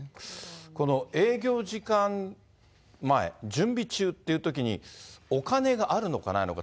この営業時間前、準備中っていうときに、お金があるのかないのか。